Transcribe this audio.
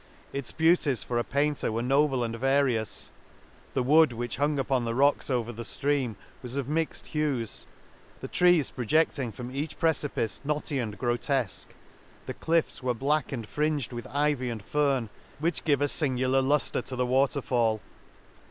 — Its beauties for a painter were noble and various ; the wood which hung upon the rocks over the ftream was of mixed hues, the trees projecting from each precipice knotty and grotefque, the cliffs were black and fringed with ivy and fern, which gave a Angular luftre to the water fall.